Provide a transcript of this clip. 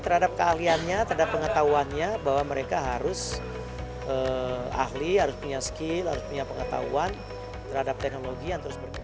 terhadap keahliannya terhadap pengetahuannya bahwa mereka harus ahli harus punya skill harus punya pengetahuan terhadap teknologi yang terus berjalan